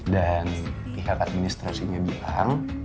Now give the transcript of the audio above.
dan pihak administrasinya bilang